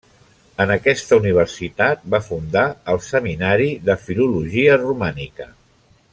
En aquesta universitat va fundar el Seminari de Filologia Romànica.